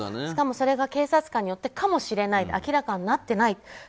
しかもそれが警察官によってかもしれないと明らかになっていないと。